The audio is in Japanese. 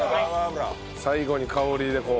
最後に香りでこう。